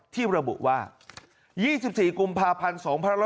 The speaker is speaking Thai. ที่ระบุว่า๒๔กุมภาพันธ์๒๕๖๒